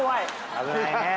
危ないね。